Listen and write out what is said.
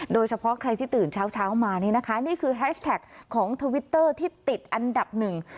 โดยเฉพาะใครที่ตื่นเช้าเช้ามานี่นะคะนี่คือแฮชแท็กของทวิตเตอร์ที่ติดอันดับหนึ่ง